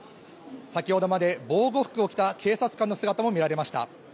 先ほどまで防護服を着た警察官の姿も見られました。